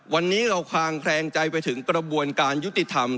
วันนี้เราคลางแคลงใจไปถึงกระบวนการยุติธรรม